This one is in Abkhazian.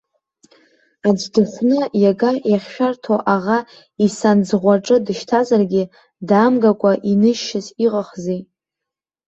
Аӡә дыхәны, иага иахьшәарҭоу аӷа исанӡӷәаҿы дышьҭазаргьы, даамгакәа иныжьшьас иҟахзи!